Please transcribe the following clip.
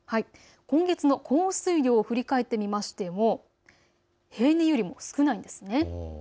今月の降水量を振り返ってみましても平年よりも少ないんです。